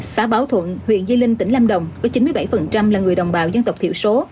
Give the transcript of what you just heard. xã báo thuận huyện di linh tỉnh lâm đồng có chín mươi bảy là người đồng bào dân tộc thiểu số